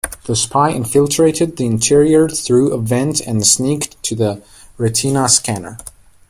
The spy infiltrated the interior through a vent and sneaked to the retina scanner.